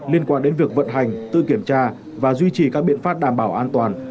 liên quan đến việc vận hành tự kiểm tra và duy trì các biện pháp đảm bảo an toàn